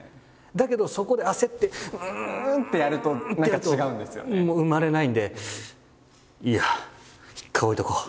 だけどそこで焦ってうんってやるともう生まれないんでいいや一回置いとこう。